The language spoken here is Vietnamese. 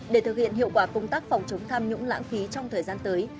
để thực hiện hiệu quả công tác phòng chống tham nhũng lãng phí trong thời gian tới